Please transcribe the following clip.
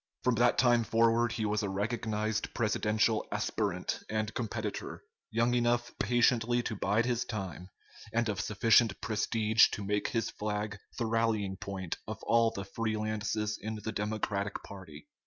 From that time forward he was a recognized presidential aspirant and competitor, young enough patiently to bide his time, and of sufficient prestige to make his flag the rallying point of all the free lances in the Democratic party.